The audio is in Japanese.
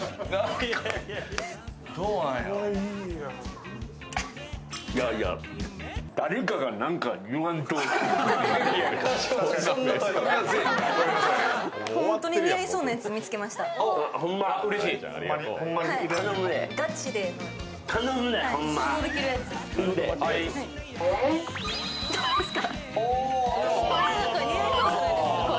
どうですか？